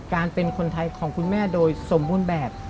การเป็นคนไทยของคุณแม่โดยสมบูรณ์แบบ